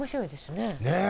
ねえ。